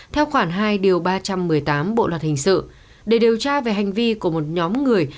theo khoản hai điều ba trăm một mươi tám bộ luật hình sự để điều tra về hành vi của một nhóm người